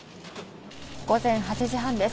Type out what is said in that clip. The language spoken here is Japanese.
午前８時半です。